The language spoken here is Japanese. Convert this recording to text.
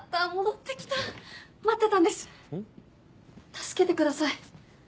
助けてください。